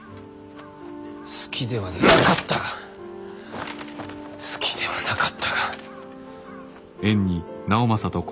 好きではなかったが好きではなかったが。